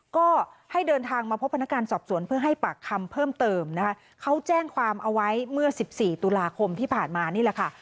ก็ให้เดินทางมาพบพนักงานสอบสวนเพื่อให้ปากคำเพิ่มเติมนะคะเขาแจ้งความเอาไว้เมื่อสิบสี่ตุลาคมที่ผ่านมานี่แหละค่ะ